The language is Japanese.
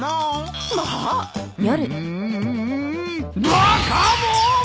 バカもん！